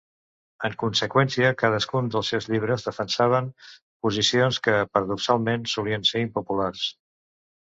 En conseqüència, cadascun dels seus llibres defensaven posicions que, paradoxalment, solien ser impopulars.